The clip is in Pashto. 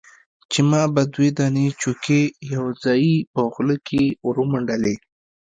چې ما به دوې دانې چوشکې يوځايي په خوله کښې ورمنډلې.